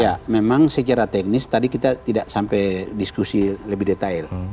ya memang secara teknis tadi kita tidak sampai diskusi lebih detail